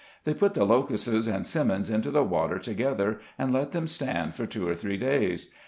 They put the "locusses" and "sim mons " into the water together, and let them stand for two or three days.